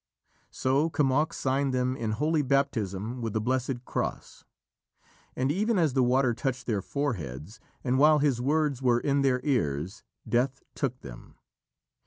So Kemoc signed them in Holy Baptism with the blessed Cross, and even as the water touched their foreheads, and while his words were in their ears, death took them.